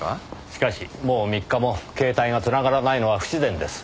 しかしもう３日も携帯が繋がらないのは不自然です。